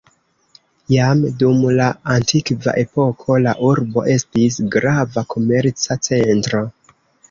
Jam dum la antikva epoko la urbo estis grava komerca centro.